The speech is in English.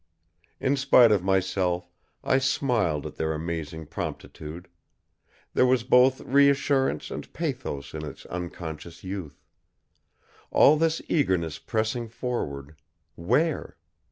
In spite of myself, I smiled at their amazing promptitude. There was both reassurance and pathos in its unconscious youth. All this eagerness pressing forward where?